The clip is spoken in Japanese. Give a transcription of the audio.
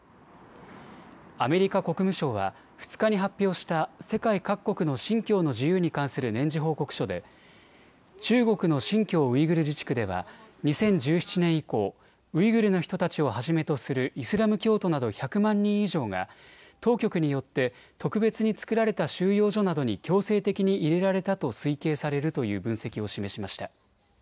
アメリカ国務省は２日に発表した世界各国の信教の自由に関する年次報告書で中国の新疆ウイグル自治区では２０１７年以降、ウイグルの人たちをはじめとするイスラム教徒など１００万人以上が当局によって特別に作られた収容所などに強制的に入れられたと推計されるという分析を示しました。